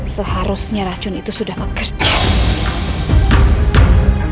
seharusnya racun itu sudah bekerja